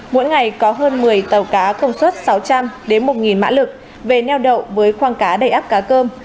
mỗi ngày có hơn một mươi tàu cá công suất sáu trăm linh một nghìn mã lực về neo đậu với khoang cá đầy áp cá cơm